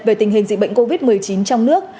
về tình hình dịch bệnh covid một mươi chín trong nước